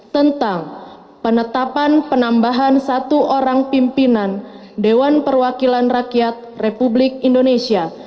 tentang penetapan penambahan satu orang pimpinan dewan perwakilan rakyat republik indonesia